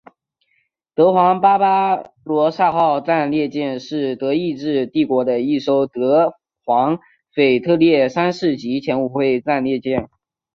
德皇巴巴罗萨号战列舰是德意志帝国的一艘德皇腓特烈三世级前无畏战列舰。